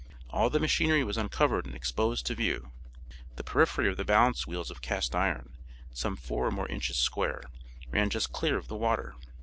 All the machinery was uncovered and exposed to view. The periphery of the balance wheels of cast iron, some four or more inches square, ran just clear of the water.